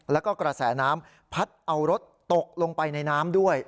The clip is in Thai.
แล้วก็กระแสน้ำพัดเอารถตกลงไปในน้ำด้วย